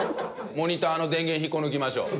モニターの電源引っこ抜きましょう。